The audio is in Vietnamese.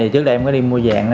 trước đây em có đi mua vàng